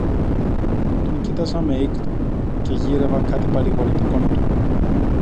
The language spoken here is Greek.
Τον κοίταζα με οίκτο, και γύρευα κάτι παρηγορητικό να του πω